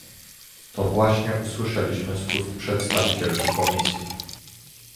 To właśnie usłyszeliśmy z ust przedstawicielki Komisji